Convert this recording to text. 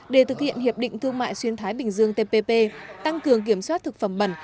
để thực hiện hiệp định thương mại xuyên thái bình dương tpp tăng cường kiểm soát thực phẩm bẩn